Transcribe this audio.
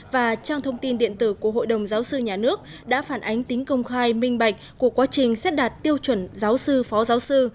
và trang thông tin điện tử của hội đồng giáo sư nhà nước đã phản ánh tính công khai minh bạch của quá trình xét đạt tiêu chuẩn giáo sư phó giáo sư